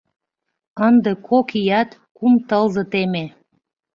Ынде кок ият кум тылзе теме.